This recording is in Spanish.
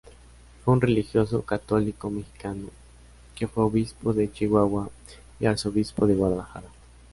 Fue un religioso católico mexicano, que fue Obispo de Chihuahua y Arzobispo de Guadalajara.